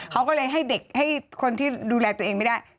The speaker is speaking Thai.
เขาก็เลยให้เด็กให้คนที่ดูแลตัวเองไม่ได้